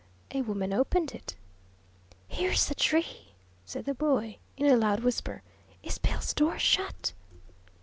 A woman opened it. "Here's the tree!" said the boy, in a loud whisper. "Is Bill's door shut?"